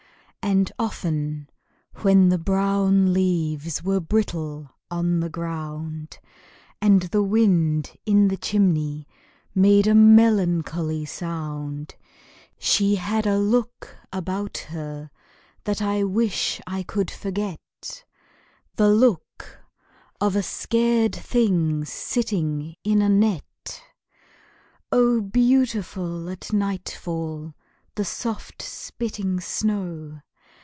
And often when the brown leaves Were brittle on the ground, And the wind in the chimney Made a melancholy sound, She had a look about her That I wish I could forget The look of a scared thing Sitting in a net! Oh, beautiful at nightfall The soft spitting snow!